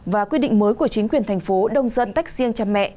và quy định mới của chính quyền thành phố đông dân tách riêng cha mẹ